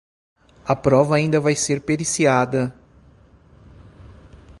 A prova ainda vai ser periciada.